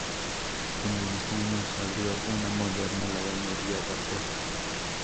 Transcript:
En el mismo año se abrió una moderna lavandería a vapor.